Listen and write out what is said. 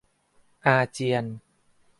อาเจียน